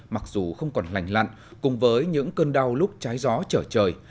mặc dù không còn lành lặn cùng với những cơn đau lúc trái gió trở trời